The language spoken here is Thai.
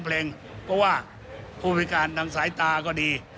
เพราะว่าผู้พิการทางสายตาก็ดี